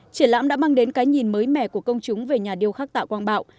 triển lãm đã mang đến cái nhìn mới mẻ của công chúng về nhà điêu khắc tạ quang bảo